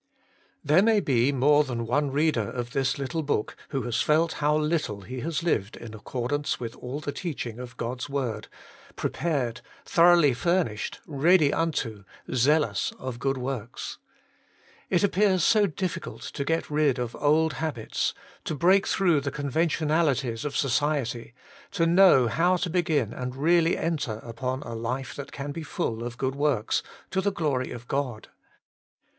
118 Working for God 119 There may be more than one reader of this httle book who has felt how little he has lived in accordance with all the teach ing of God's word, prepared, thorouglily furnished, ready unto, zealous of good works. It appears so difficult to get rid of old habits, to break through the conven tionalities of society, to know how to begin and really enter upon a life that can be full of good works, to the glory of God.